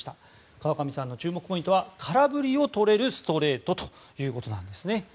川上さんの注目ポイントは空振りをとれるストレートということなんですね。